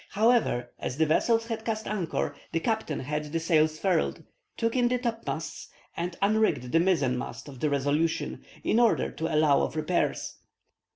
However, as the vessels had cast anchor, the captain had the sails furled, took in the topmasts, and unrigged the mizzen mast of the Resolution, in order to allow of repairs.